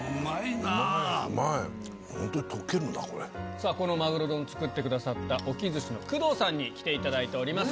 さぁこのまぐろ丼を作ってくださった沖寿司の工藤さんに来ていただいております。